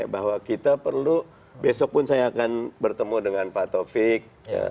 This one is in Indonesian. bahwa kita perlu besok pun saya akan bertemu dengan pak taufik